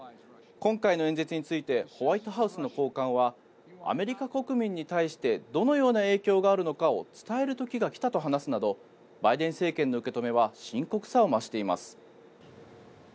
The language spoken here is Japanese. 今回の演説についてホワイトハウスの高官はアメリカ国民に対してどのような影響があるのかを伝える時が来たと話すなどバイデン政権の受け止めは深刻さを増しています。